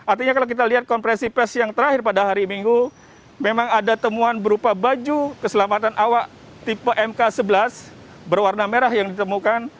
artinya kalau kita lihat kompresi pes yang terakhir pada hari minggu memang ada temuan berupa baju keselamatan awak tipe mk sebelas berwarna merah yang ditemukan